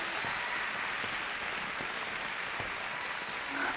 あっ。